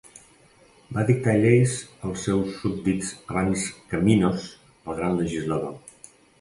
Va dictar lleis als seus súbdits abans que Minos, el gran legislador.